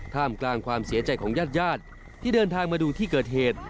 ท่ามกลางความเสียใจของญาติญาติที่เดินทางมาดูที่เกิดเหตุ